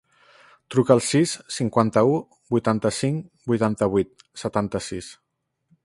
Truca al sis, cinquanta-u, vuitanta-cinc, vuitanta-vuit, setanta-sis.